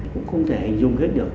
cũng không thể hình dung hết được